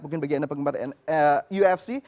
mungkin bagi anda penggemar ufc